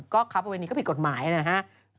ค้าประเวณีก็ผิดกฎหมายนะฮะ